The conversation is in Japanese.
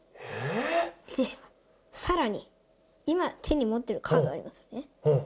さらに、今、手に持ってるカードありますよね。